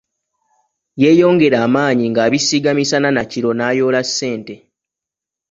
Yeeyongera amaanyi ng’abisiiga misana na kiro n’ayoola ssente.